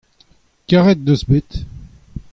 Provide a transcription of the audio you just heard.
karet en deus bet.